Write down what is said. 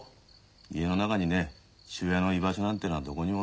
家の中にね父親の居場所なんてのはどこにもない。